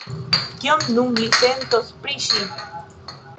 Kion nun li sentos pri ŝi?